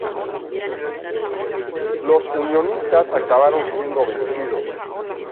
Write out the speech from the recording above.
Los unionistas acabaron siendo vencidos.